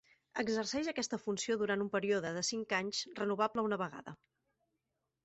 Exerceix aquesta funció durant un període de cinc anys, renovable una vegada.